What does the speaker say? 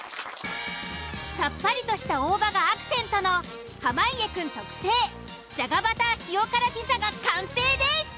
さっぱりとした大葉がアクセントの濱家くん特製じゃがバター塩辛ピザが完成です！